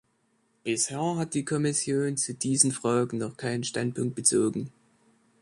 Bisher hat die Kommission zu diesen Fragen noch keinen Standpunkt bezogen.